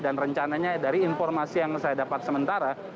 rencananya dari informasi yang saya dapat sementara